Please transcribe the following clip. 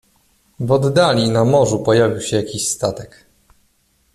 "W oddali, na morzu pojawił się jakiś statek."